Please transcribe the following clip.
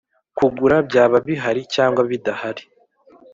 Kugura byaba bihari cyangwa bidahari